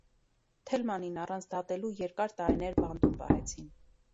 Թելմանին առանց դատելու երկար տարիներ բանտում պահեցին։